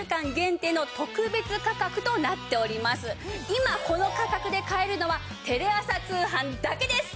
今この価格で買えるのはテレ朝通販だけです！